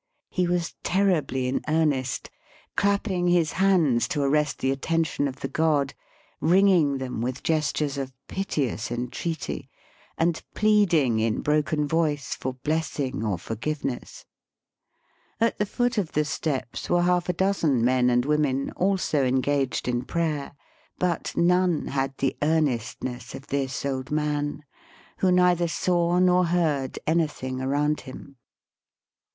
He was terribly in earnest, clapping his hands to arrest the attention of the god, wringing them with gestures of piteous entreaty, and Digitized by VjOOQIC 76 BAST BY WEST. pleading in broken voice for blessing or for giveness. At the foot of the steps were half a dozen men and women also engaged in prayer. But none had the earnestness of this old man, who neither saw nor heard anything around him.